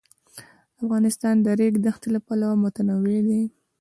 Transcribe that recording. افغانستان د د ریګ دښتې له پلوه متنوع دی.